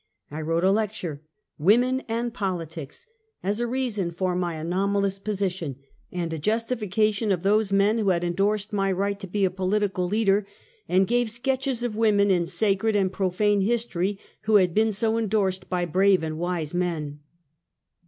I wrote a lecture —" Women and Politics" — as a reason for my anomalous position and a justification of those men who had endorsed my right to be a polit ical leader, and gave sketches of women in sacred and profane history who had been so endorsed by brave and wise men.